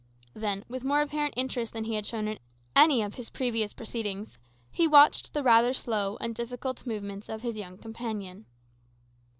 Then, with more apparent interest than he had shown in any of his previous proceedings, he watched the rather slow and difficult movements of his young companion.